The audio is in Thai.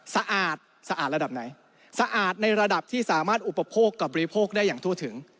สะอาดสะอาดระดับไหนสะอาดในระดับที่สามารถอุปโภคกับบริโภคได้อย่างทั่วถึง